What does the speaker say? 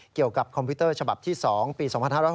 เกี่ยวกับคอมพิวเตอร์ฉบับที่๒ปี๒๕๖๐